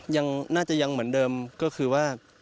ยังน่าจะยังเหมือนเดิมก็คือว่า